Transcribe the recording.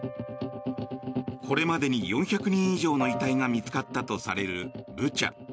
これまでに４００人以上の遺体が見つかったとされるブチャ。